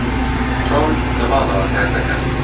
تۆم لە ماڵەوە کار دەکات.